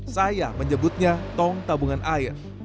saya menyebutnya tong tabungan air